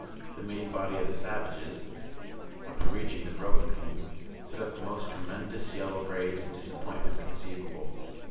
The main body of the savages, upon reaching the broken canoe, set up the most tremendous yell of rage and disappointment conceivable.